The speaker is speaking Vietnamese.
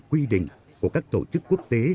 quy định của các tổ chức quốc tế